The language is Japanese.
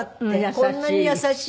「こんなに優しい」